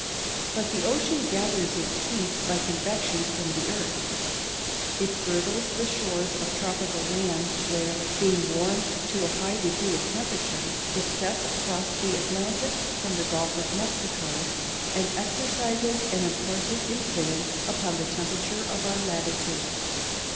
But the ocean gathers its heat by convection from the earth. It girdles the shores of tropical lands where, being warmed to a high degree of temperature, it sets across the Atlantic from the Gulf of Mexico, and exercises an important influence upon the temperature of our latitude.